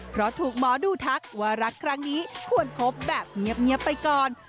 เพราะถูกหมอดูทักว่ารักครั้งนี้ควรพบแบบเงียบไปก่อน